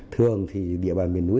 thường thì địa bàn miền núi